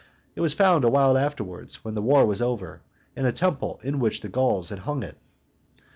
It was found a while afterwards, when the war was over, in a temple in which the Gauls had hung it.